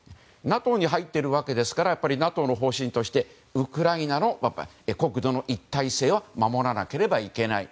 ＮＡＴＯに入っているわけですからＮＡＴＯの方針としてウクライナの国土の一体性を守らなければいけない。